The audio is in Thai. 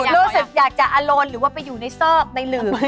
รู้สึกอยากจะอารมณ์หรือว่าไปอยู่ในซอกในหลือ